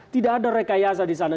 tidak ada rekayasa di sana